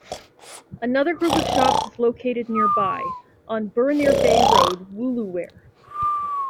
Another group of shops is located nearby, on Burraneer Bay Road, Woolooware.